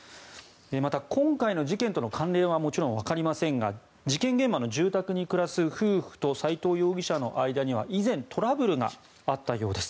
また、今回の事件との関連はもちろんわかりませんが事件現場の住宅に暮らす夫婦と斎藤容疑者の間には以前トラブルがあったようです。